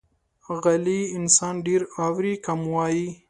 غلی انسان، ډېر اوري، کم وایي.